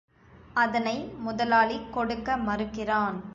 அதனை முதலாளி கொடுக்க மறுக்கிறான்.